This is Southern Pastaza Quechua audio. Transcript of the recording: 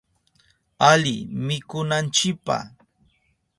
Ali mikunanchipa.